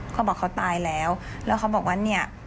เขาบอกเขาตายแล้วแล้วเขาบอกว่าเนี่ย